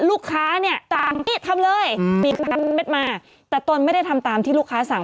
ลูกค้าเนี่ยต่างนี่ทำเลยปีกพันเม็ดมาแต่ตนไม่ได้ทำตามที่ลูกค้าสั่ง